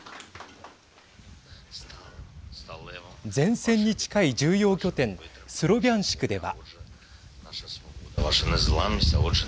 前線に近い重要拠点スロビャンシクでは。